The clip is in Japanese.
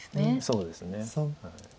そうですね。